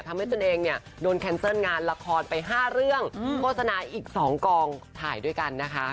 ตนเองเนี่ยโดนแคนเซิลงานละครไป๕เรื่องโฆษณาอีก๒กองถ่ายด้วยกันนะคะ